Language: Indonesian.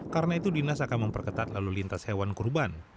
karena itu dinas akan memperketat lalu lintas hewan kurban